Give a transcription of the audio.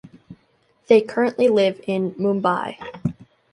They currently live in Mumbai.